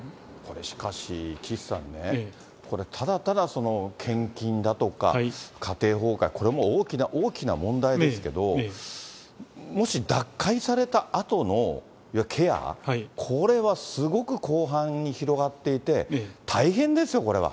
しかし、岸さんね、これただただ献金だとか家庭崩壊、これも大きな大きな問題ですけれども、もし脱会されたあとのケア、これはすごく広範に広がっていて、大変ですよ、これは。